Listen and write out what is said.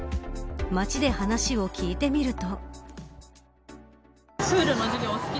街で話を聞いてみると。